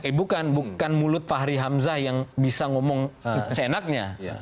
eh bukan bukan mulut fahri hamzah yang bisa ngomong seenaknya